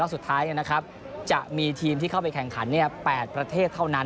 สุดท้ายจะมีทีมที่เข้าไปแข่งขัน๘ประเทศเท่านั้น